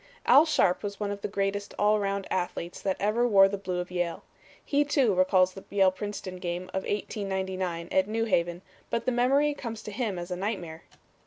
Al Sharpe was one of the greatest all around athletes that ever wore the blue of Yale. He, too, recalls the Yale Princeton game of 1899 at New Haven, but the memory comes to him as a nightmare.